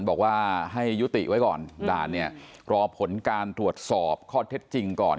บอกว่าให้ยุติไว้ก่อนด่านเนี่ยรอผลการตรวจสอบข้อเท็จจริงก่อน